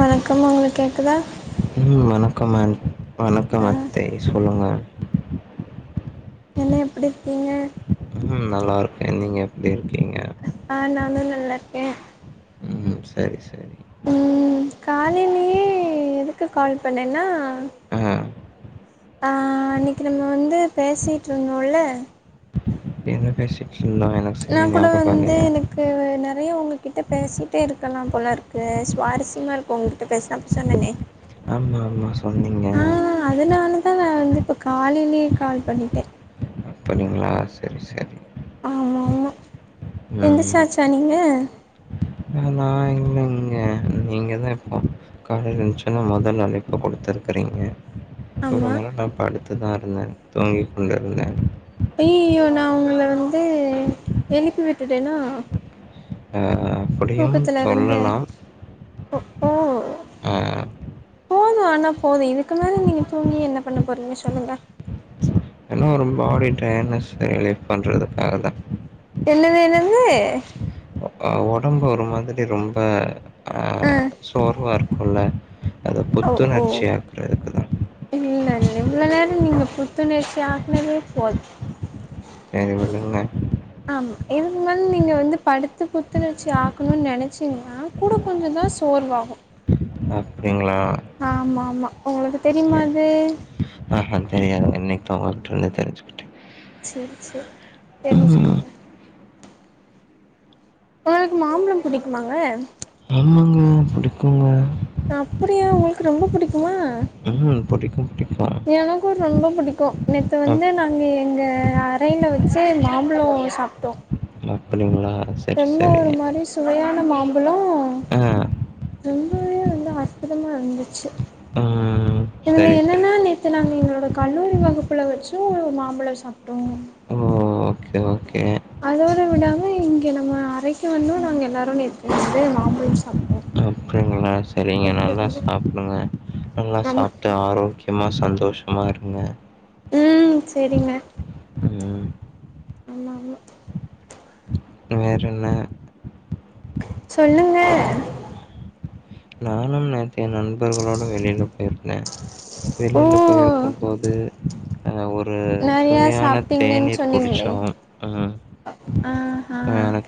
வணக்கம் உங்களுக்கு கேக்குதா ம் வணக்கம் அ வணக்கம் ஆ அத்தை சொல்லுங்க என்ன எப்டிருக்கீங்க ம் நல்லாருக்கேன் நீங்க எப்டி இருக்கீங்க ஆ நானும் நல்லாருக்கே ம் சரி சரி உம் காலேலயே எதுக்கு கால் பண்ணேன்னா ஆ ஆ அன்னிக்கு நம்ம வந்து பேசிட்டு இருந்தோம்ல என்ன பேசிட்டு இருந்தோம் எனக்கு சரியா நான் கூட ஞாபகம் வந்து இல்லையே. எனக்கு கு நறைய உங்ககிட்ட பேசிட்டே இருக்கலாம் போல இருக்கு சுவாரஸ்யமா இருக்கு உங்க இப்ப பேசுனப்ப சொன்னேனே ஆமா ஆமா சொன்னிங்க ஆ அதனால தா நா வந்துட்டு காலைலயே கால் பண்ணிட்டே அப்டிங்களா சேரி சேரி ஆமா ஆமா எந்த்ரிச்சாச்சா நீங்க நானா இல்லங்க நீங்கதா இப்போ காலைல எழுன்ச்சோன்னே மொதல் அழைப்பு கொடுத்துருக்கறீங்க ரொம்ப ஆமா நேரம் நா படுத்துதா இருந்தேன் தூங்கி கொண்டு இருந்தேன் அய்யயோ நான் உங்கள வந்து எழுப்பி விட்டுட்டேனோ ஆ அப்படியும் சொல்லலாம் ஒ ஓ ஆ போதும் அனா போதும் இதுக்கு மேலே நீங்க தூங்கி என்ன பண்ண போறீங்க சொல்லுங்க ஏன்னா ரொம்ப ஆடிட்டேன் என்ன செலக்ட் பண்றதுக்காக தா என்னது என்னது ஆ ஒடம்பு ஒரு மாதிரி ரொம்ப ஆ அஹ் சோர்வா இருக்கும்ல அத ஓ ஓ புத்துணர்ச்சியாக்குறதுக்கு தா இல்ல நிங்க இவளோ நேரோ நீங்க புத்துணர்ச்சி ஆக்னதே போது எனக்கு விழுங்க ஆமா எதுக்கு நீங்க வந்து படுத்து புத்துணர்ச்சி ஆக்கணுன்னு நினச்சிங்கா கூட கொஞ்சோ தா சோர்வாகு அப்டிங்ளா ஆமா ஆமா உங்களுக்கு தெரியுமா இது ஆ தெரியாதுங்க இன்னைக்குதா [unintelligible] தெரிஞ்சி கிட்டே செரி செரி ம் தெரிஞ்சிக்கோங்க உங்களுக்கு மாம்பழம் பிடிக்குமாங்க அமாங்க பிடிக்குங்க அப்டியா உங்களுக்கு ரொம்ப பிடிக்குமா ம் புடிக்கு புடிக்கு எனக்கு ரொம்ப பிடிக்கு நேற்று வந்து நாங்கள் எங்க அறையிலே வச்சி மாம்பழோ சாப்டோ அப்டிங்ளாஸ் என்ன ஒரு மாதிரி சுவையான மாம்பழோ அ ரொம்பவே வந்து அற்புதமாக இருந்துச்சி ம் இதுல சரி சரி என்னன்னா நேத்து நாங்க எங்களோட கல்லூரி வகுப்புல வச்சு மாம்பழோ சாப்டோ ஓ ஓகே ஓகே அதோட விடாம இங்க நம்ம அறைக்கு வந்து நாங்க எல்லாரு நறைய மாம்பழோ சாப்டோ ஆ சரிங்க நல்ல சாப் என்னங்க நல்லா ஆமா சாப்டு ஆரோக்கியமா சந்தோஷமாக இருங்க ம் சேரிங்க ம் ஆமா ஆமா வேற என்ன சொல்லுங்க நானும் நேத்து நண்பர்களோடு வெளியில போயிருந்த வெளியில ஓ போயிருக்கும் போது அ ஒரு நெறையா சுவையான சாப்ட்டீங்கன் தேநீர் குடிச்சோ அ அ ஹ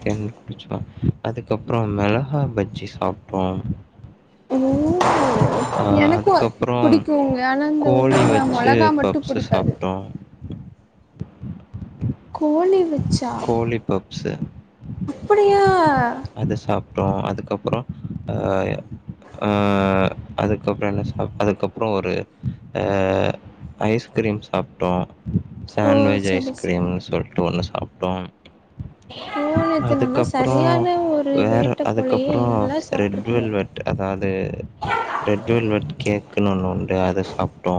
தேனீர் குடிச்சோ அதுக்கப்ரோ மிளகா பஜ்ஜி சாப்டோ உம் எனக்கு அதுக்கப்புறம் புடிக்கும்ங்க ஆனா இந்த உள்ள கோழி உள்ள வச்சு மளகா மட்டு பப்ஸு புடிக்காது சாப்ட்டோம் கோனிரு கோழி‌ ஃபப்ஸ்சு அப்டியா அது சாப்டோ அதுக்கப்ரோ அ யா ஆ அதுக்கப்ரோ என்ன சா அதுக்கப்ரோ ஒரு அஅ ஐஸ்கிரீம் சாப்டோ ஓ சாண்ட்வேஜ் செரி செரி ஐஸ்கிரீம்னு சொல்ட்டு ஒன்னு சாப்டோ கோழிக்கு நல்லா அதுக்கப்ரோ சரியான ஒரு வேற வேட்ட போலயே அதுக்கப்ரோ நல்லா ரெட் சாப்ட்ருக்கீங்க வெல்வெட் அதாவது பிரெட் வெல்வெட் கேக்குன்னு ஒன்னு உண்டு அத சாப்டோ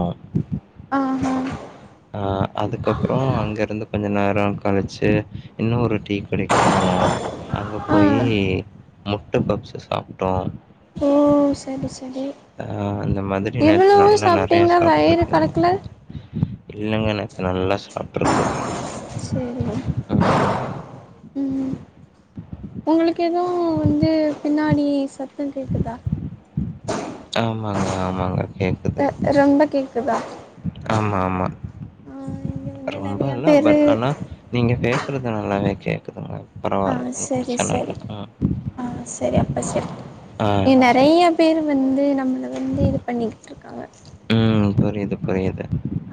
ஆஹா அ அதுக்கப்ரோ அங்க இருந்துப் கொஞ்ச நேரோ கழிச்சு இன்னோரு டீ கடைக்கி போனோ அங்க ஆ போயி முட்ட பப்ஸ்ஸு சாப்ட்டோ ம் ம் சரி சரி அந்த மாதிரி நேத்து இவ்வளவோ நல்லா நெறையா சாப்ட்டீங்னா வயிறு கலக்குல இல்லைங்க நேத்து நல்லா சாப்ட்ருக்கு. சொல்லுங்க ம். ம் உங்களுக்கு எதுவு வந்து பின்னாடி சத்தோ கேக்குதா ஆமாங்க ஆமாங்க கேக்குது. அ ரொம்ப கேக்குதா ஆமா ஆமா ஆ இங்க வந்து ரொம்ப நெறைய இல்ல பேரு பட் அனா நீங்க பேசுறது எனக் நல்லாவே கேக்குதுங்க ஆ பரவால்ல. ஒண்ணும் செரி பிரச்சன இல்ல. செரி ம். ஆ செரி அப்ப செரி ஆ நீ சரி. நெறையா பேரு வந்து நம்மள வந்து இது பண்ணிக்கிட்டு இருக்காங்க ம் புரியுது புரியுது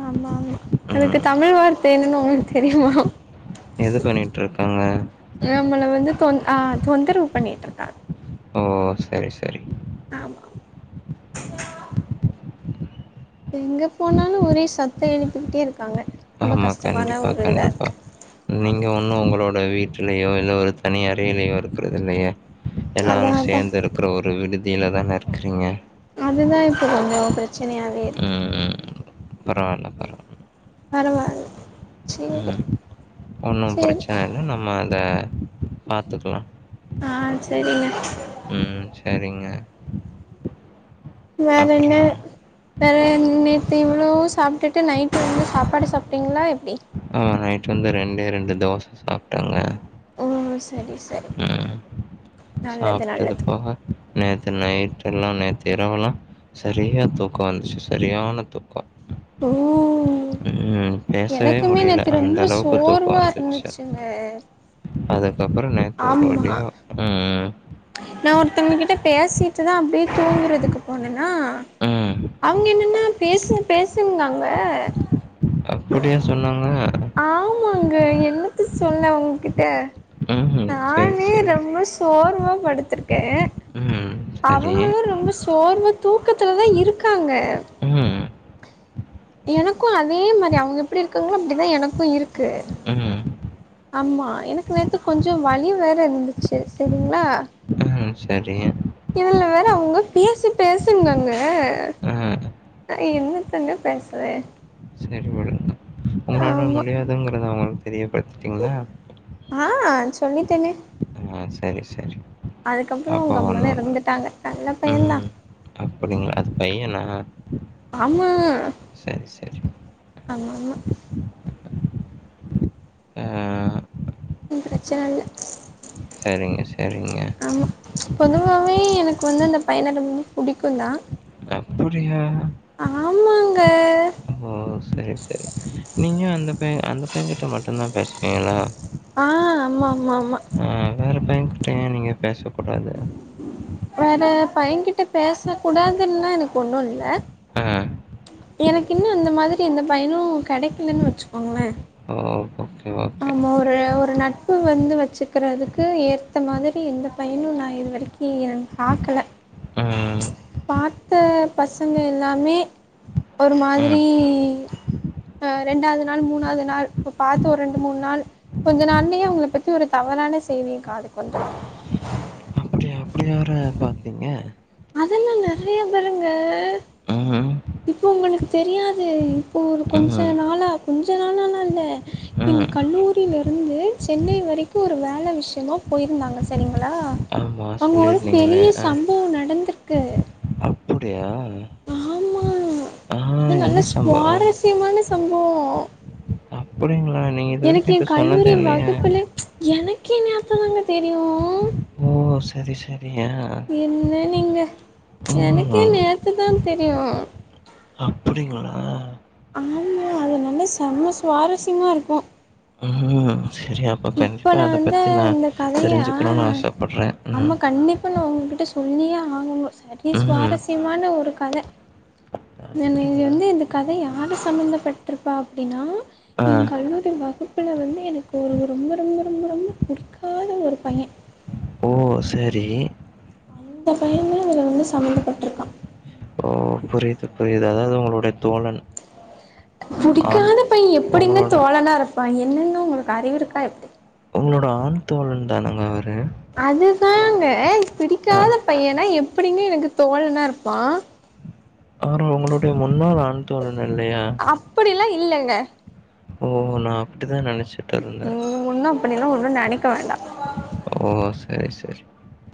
ஆமா ஆமா அதுக்கு ம். தமிழ் வார்த்த என்னன்னு உங்களுக்கு தெரியுமா இது பண்ணிட்டு இருக்காங்க நம்மள வந்து தொந் ஆ தொந்தரவு பண்ணிட்டு இருக்காங்க ஓ ஓ செரி செரி ஆமா எங்க போனாலு ஒரே சத்தோ எழுப்பிக்கிட்டே இருக்காங்க ரொம்ப ஆமா கஷ்டமான கண்டிப்பா ஒரு இதா கண்டிப்பா இருக்கு நீங்க ஆமா ஒ ன்னு உங்களோட வீட்டிலயோ இல்ல ஒரு தனி அறையிலயோ இருக்கறது இல்லையே அதா எல்லாரு அதா சேந்து இருக் குற ஒரு விடுதியில தானே இருக்குறீங்க அதுதா இப்ப கொஞ்சோ ப்ரச்சனையாவே ம் ம் பரவால்ல பர பரவால்ல சேரி ம் ஒன்னு சேரி ப்ரச்சன இல்ல நம்ம அத பாத்துக்கலா ஆ செரிங்க ம் சரிங்க வேற என்ன அப்புறம் வேற நேத்து இவ்ளோவு சாப்ட்டுட்டு நைட்டு வந்து சாப்பாடு சாப்ட்டீங்களா எப்டி ஆ நைட் வந்து ரெண்டே ரெண்டு தோச சாப்ட்டேங்க ஓ சரி சரி ம். நல்லது சாப்ட்டது நல்லது போக நேத்து நைட் எல்லா நேத்து இரவெல்லா சரியா தூக்கோ வந்துச்சு சரியான தூக்கோ ஓ ம் பேசவே எனக்குமே முடியில நேத்து அந்த ரொம்ப அளவுக்கு தூக்கோ சோர்வா வந்துச்சு இருந்துச்சுங்க அதுக்கப்பறோ நேத்து ஒரு ஆமா வழியா ம் ம் நா ஒருத்தவங்க கிட்ட பேசிட்டுதா அப்டியே தூங்குறதுக்கு போனேன்னா ம். அவுங்க என்னன்னா பேசு பேசுங்கங்க அப்டியா சொன்னாங்க ஆமாங்க என்னத்த சொல்ல உங்க கிட்ட ம். சரி, நானே சரி. ரொம்ப சோர்வா படுத்துருக்கே ம். சரி. அவுங்களு ரொம்ப சோர்வ தூக்கத்துல தா இருக்காங்க ம். எனக்கு அதே மாதிரி அவுங்க எப்டி இருக்குங்களோ அப்டிதா எனக்கு இருக்கு ம். ஆமா எனக்கு நேத்து கொஞ்ச வழி வேற இருந்துச்சு செரிங்ளா ம் செரி இதுல வேற அவுங்க பேசு பேசுனாங்க ஆ. நா என்னத்தங்க பேசுவே சேரி விடுங்க உங்களால ஆமா முடியாதுங்குறத அவுங்களுக் தெரியப்படுத்திட்டீங்கல்ல ஆ சொல்லிட்டேனே அ செரி செரி அதுக்கப்பறொ கம்முன்னு இருந்துட்டாங்க நல்ல பையெ தா அப்புடிங்ளா அது பையன்னா ஆமா செரி செரி ஆமா ஆமா அ ம் பிரச்சன இல்ல செரிங்க செரிங்க ஆமா பொதுவாவே எனக்கு வந்து அந்த பையன ரொம்ப புடிக்குந் தா அப்புடியா ஆமாங்க ஓ சேரி சேரி நீங்க அந்த நீங்க அந்த பையெ கிட்ட மட்டுந்தா பேசுவிங்களா ஆ ஆமா ஆமா ஆமா அ வேற பையன்கிட்ட ஏ நீங்க பேசக்கூடாது வேற பையன்கிட்ட பேச கூடாதுன்லா எனக்கு ஒன்னு இல்ல அ எனக்கு இன்னு அந்த மாதிரி எந்த பையனு கெடைக்கிலன்னு வச்சுக்கோங்களே ஓ ஓகே ஓகே நம்ம ஒரு ஒரு நட்பு வந்து வச்சுக்கிறதுக்கு ஏத்த மாதிரி எந்த பையனு நா இது வரைக்கு கி நா பாக்கல ம். பாத்த பசங்க எல்லாமே ஒரு ம். மாதிரி அ ரெண்டாவது நாள் மூனாவது நாள் இப்ப பாத்த ஒரு ரெ ரெண்டு மூன் நாள் கொஞ்சொ நாள்லயே அவுங்ள பத்தி ஒரு தவறான செய்தி என் காதுக்கு வந்துரு அப்புடியா அப்புடி வேற இருக்கா பிங்கெ அதெல்லா நெறைய பேருங்க அ இப்ப ஒங்களுக்கு தெரியாது இப்போ ஒரு கொஞ்ச ம், நாளா கொஞ்ச நாளாலா இல்ல எங்க ம். கல்லூரில இருந்து சென்னை வரைக்கு ஒரு வேல விஷ்யமா போயிருந்தாங்க செரிங்களா ஆமா அங்க ஒரு சொல்லியிருந்தீங்களே. பெரிய சம்பவொ நடந்துர்க்கு அப்புடியா அது நல்லா சுவாரஸ்யமான சம்பவொ அப்புடிங்ளா நீங் எனக்கு எ கல்லூரி வகுப்புலே எனக்கேங் அப்பதாங்க தெரியு ஓ செரி செரி அ என்ன நீங்க எனக்கே ம். நேத்து தா தெரியு அப்புடிங்களா ஆமாங்க அது நல்லா செம்ம சுவாரஸ்யமா இருக்கு ம் செரி அப்ப இப்ப கண்டிப்பா நா அத வந்து பத்தி நா அந்த கதைய தெருஞ்சுக்கணுனு ஆசப்பட்றே ம் அப்போ நா ஒங்ககிட்ட சொல்லியே ஆகணு சரி அப்டி ம். சுவாரஸ்யமான ஒரு கத நான் இங்க அப்படிங்களா? வந்து இந்த கத யாரு சம்மந்தப்பட்டுருக்கா அப்டின்னா ஆ. எ கல்லூரி வகுப்புல வந்து எனக்கு ஒரு ரொம்ப ரொம்ப ரொம்ப ரொம்ப புடிக்காத ஒரு பைய ஓ சரி அந்த பையன்தா இதுல வந்து சம்மந்தப்பட்டுருக்கா ஓ புரியுது புரியுது அதாவ்து உங்களுடைய தோழன் ஆண் புடிக்காத பைய எப்டிங்க உங்களோட தோழனா இருப்பா என்னங்க உங்களுக்கு அறிவு இருக்கா எப்டி உங்களோட ஆண் தோழன் தானங்க அவரு அதுதாங்க அ பிடிக்காத பையனா எப்டிங்க எனக்கு தோழனா இருப்பா ஆனா உங்களுடைய முன்னாள் ஆண் தோழன் இல்லையா அப்படிலா இல்லங்க ஓ நா அப்டிதா நெனச்சே நீங் ஒன்னு அப்படிலா ஒன்னு நெனைக்க வேண்டா ஓ செரி செர்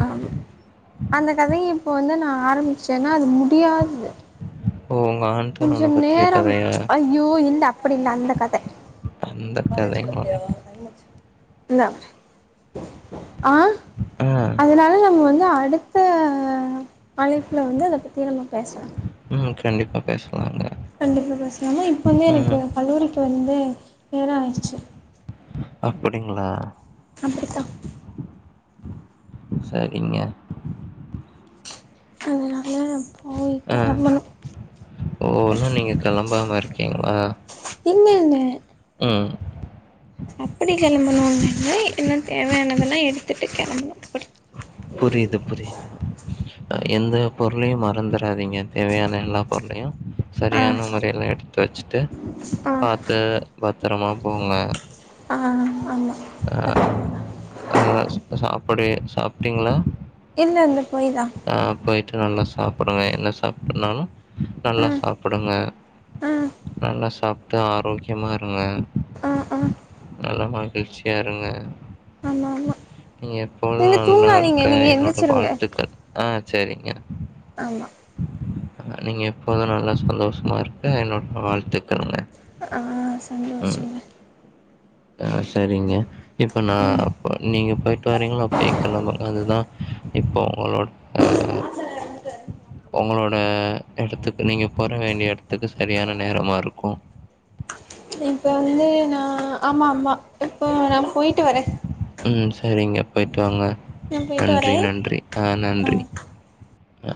ஆமா அந்த கதைய இப்போ வந்து நா ஆரம்மிச்சேன்னா அது முடியாது ஓ உங்க ஆண் கொஞ்ச தோழன பத்திய நேரம் கதையா ஐயோ இந்த அப்படி இல்ல அந்த கத அந்த காலேஜ் கதைங்களா கெளம்பலையா டைம் ஆச்சு ல்ல ஆ ஆ அதனால நாங்க வந்து அடுத் த அழைப்புல வந்து இத பத்தி நம்ம பேசலா ம் கண்டிப்பா பேசலாங்க கண்டிப்பா பேசலானா இப்போவே எனக்கு ம் கல்லூரிக்கு வந்து நேரோ ஆயிடுச்சு அப்டிங்களா அப்டித்தா சரிங்க அதனால நா போய் ஆ கெளம்பனு ஓ உன்னு நீங்க கெளம்பாம இருக்கீங்ளா இல்லல்ல ம் அப்டி கெளம்பனாங்கன்ன இன்னு தேவையானதெலா எடுத்துட்டு கெளம்பனு அப்டி புரியுது புரியுது அ எந்த பொருளையு மறந்துராதீங்க தேவையான எல்லா பொருளையு ஆ சரியான முறைல எடுத்து வச்சுட்டு ஆ பாத்து பத்தரமா போங்க ஆ ஆமா பத்தரமா ஆ இப்ப சாப்பாடு சாப்ட்டீங்களா இல்ல இந்த போய்தா ஆ போயிட்டு நல்லா சாப்புடுங்க என்ன சாப்புடுனாலு நல்லா ம் சாப்புடுங்க ம் நல்லா சாப் ட்டு ஆரோக்கியமா இருங்க ஆ ஆ நல்ல மகிழ்ச்சியா இருங்க ஆமா ஆமா நீங்க எப்போது நீங்க நல்லா தூங்காதீங்க இருக்க நீங்க என்னோட எந்திரிச்சிருங்க வாழ்த்துக்கள் ஆ சேரிங்க ஆமா நீங்க எப்போது நல்லா சந்தோஷமா இருக்க என்னோட வாழ்த்துக்கள்ங்க ஆ ம் சந்தோஷங்க ஆ சரிங்க இப்ப நா ம் ப்ப நீங்க போயிட்டு வரீங்கள அப்பய கெளம்ப அதுதா இப்போ உங்களோட [unintelligible] ஒங்களோட எடத்துக்கு நீங்க போற வேண்டிய எடத்துக்கு சரியான நேரமா இருக்கு இப்ப வந்து நா ஆமா ஆமா இப்போ நா போயிட்டு வரே ம் சேரிங்க போயிட்டு வாங்க நா போயிட்டு வரே நன்றி நன்றி ஆ நன்றி ம் ஆ